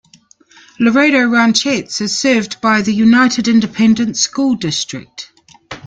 Laredo Ranchettes is served by the United Independent School District.